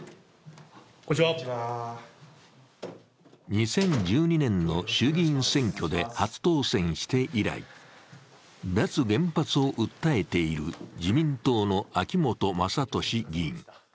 ２０１２年の衆議院選挙で初当選して以来脱原発を訴えている自民党の秋本真利議員。